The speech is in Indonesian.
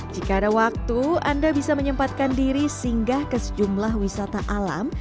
jika ada waktu anda bisa menyempatkan diri singgah ke sejumlah wisata alam